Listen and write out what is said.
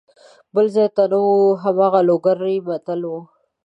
بل ځای نه وو هماغه لوګری متل وو.